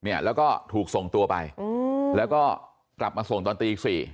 เนี่ยแล้วก็ถูกส่งตัวไปอืมแล้วก็กลับมาส่งตอนตีอีกสี่